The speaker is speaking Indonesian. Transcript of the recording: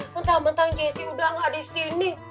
mentang mentang jessi udah gak disini